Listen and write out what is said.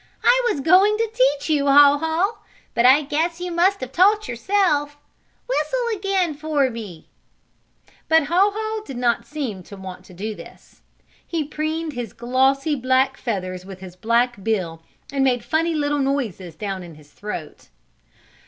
"I was going to teach you, Haw Haw, but I guess you must have taught yourself. Whistle again for me!" But Haw Haw did not seem to want to do this. He preened his glossy black feathers with his black bill, and made funny little noises down in his throat.